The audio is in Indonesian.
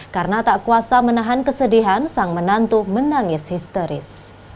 karena tak kuasa menahan kesedihan sang menantu menangis histeris